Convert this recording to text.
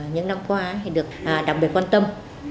những năm qua được đặc biệt quan tâm